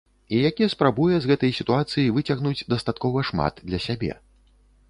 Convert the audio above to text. І які спрабуе з гэтай сітуацыі выцягнуць дастаткова шмат для сябе.